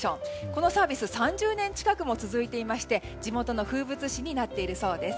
このサービスは３０年近くも続いていて地元の風物詩になっているそうです。